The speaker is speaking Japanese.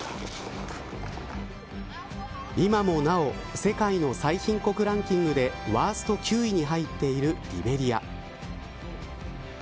今もなお世界の最貧国ランキングでワースト９位に入っているリベリア。